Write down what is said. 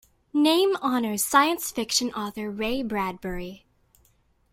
Name honors science fiction author Ray Bradbury.